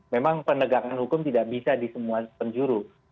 memang penegakan hukum tidak bisa di semua penjuru